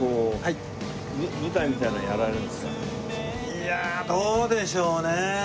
いやどうでしょうね。